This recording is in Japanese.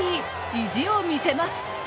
意地を見せます。